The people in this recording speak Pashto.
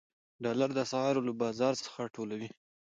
ډالر د اسعارو له بازار څخه ټولوي.